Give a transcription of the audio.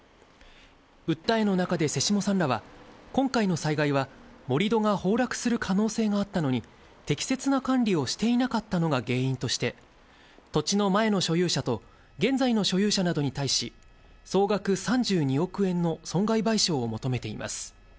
訴えの中で瀬下さんらは、今回の災害は、盛り土が崩落する可能性があったのに、適切な管理をしていなかったのが原因として、土地の前の所有者と、現在の所有者などに対し、総額３２億円の損害賠償を求めています。